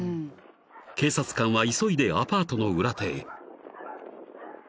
［警察官は急いでアパートの裏手へ］